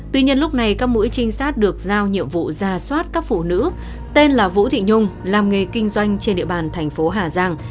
tuy nhiên lúc này các mũi trinh sát được giao nhiệm vụ ra soát các phụ nữ tên là vũ thị nhung làm nghề kinh doanh trên địa bàn thành phố hà giang